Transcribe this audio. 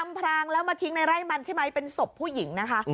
อำพรางแล้วมาทิ้งในไร่มันเป็นศพผู้หญิงนะคะ